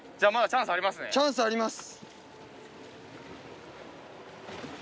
チャンスあります！